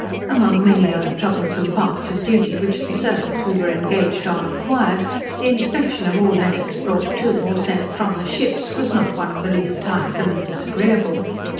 Among many other troublesome parts of duty which the service we were engaged on required, the inspection of all letters brought to, or sent from the ships, was not one of the least tiresome and disagreeable.